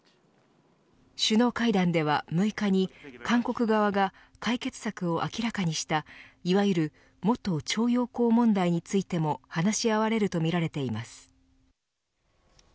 首脳会談では、６日に韓国側が解決策を明らかにしたいわゆる元徴用工問題についても話し合われるとみられています。